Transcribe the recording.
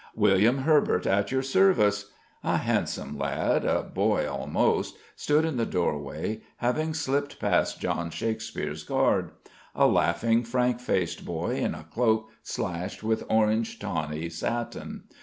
"William Herbert, at your service." A handsome lad a boy, almost stood in the doorway, having slipped past John Shakespeare's guard: a laughing, frank faced boy, in a cloak slashed with orange tawny satin.